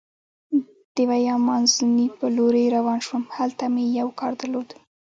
د ویا مانزوني په لورې روان شوم، هلته مې یو کار درلود.